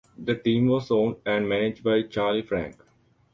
The team was owned and managed by Charlie Frank.